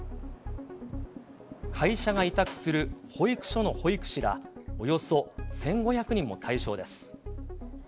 会社が委託する保育所の保育士ら、およそ１５００人も対象です。